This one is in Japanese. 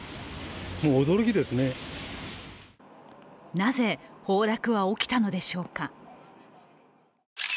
なぜ崩落は起きたのでしょうか。